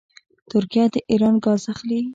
ترکیه د ایران ګاز اخلي.